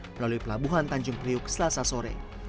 melalui pelabuhan tanjung priuk selasa sore